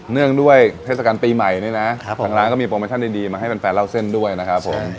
เนื่องด้วยเทศกาลปีใหม่นี่นะทางร้านก็มีโปรโมชั่นดีมาให้แฟนเล่าเส้นด้วยนะครับผม